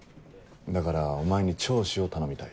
だからお前に聴取を頼みたい。